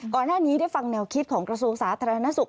ก่อนหน้านี้ได้ฟังแนวคิดของกระทรวงศาสตร์ธรรมนาศุกร์